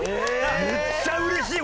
めっちゃ嬉しい。